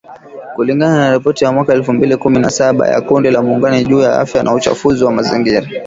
kulingana na ripoti ya mwaka elfu mbili kumi na saba ya kundi la Muungano juu ya Afya na Uchafuzi wa mazingira